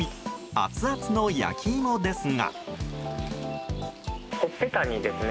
アツアツの焼き芋ですが。